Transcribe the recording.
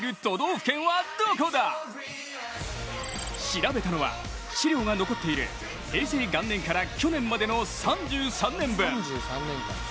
調べたのは、資料が残っている平成元年から去年までの３３年分。